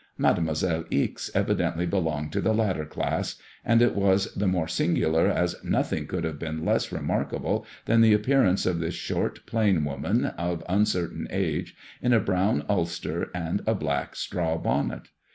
Mademoiselle Ixe evi dently belonged to the latter class, and it was the more singular as nothing could have been less re markable than the appearance of this shorty plain woman of un certain age, in a brown ulster and a black straw bonnet.